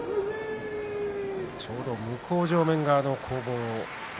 ちょうど向正面側の攻防。